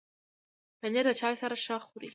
پنېر د چای سره ښه خوري.